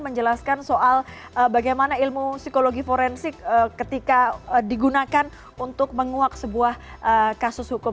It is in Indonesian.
menjelaskan soal bagaimana ilmu psikologi forensik ketika digunakan untuk menguak sebuah kasus hukum